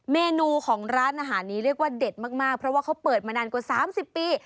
เมนูของร้านอาหารนี้เรียกว่าเด็ดมากเพราะว่าเขาเปิดมานานกว่า๓๐ปี